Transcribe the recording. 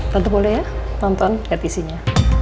tante boleh ya nonton lihat isinya